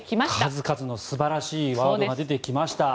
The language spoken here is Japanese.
数々の素晴らしいワードが出てきました。